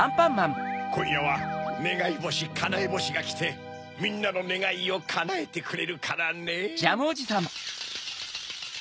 こんやはねがいぼしかなえぼしがきてみんなのねがいをかなえてくれるからねぇ。